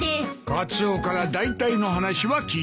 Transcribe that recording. カツオからだいたいの話は聞いた。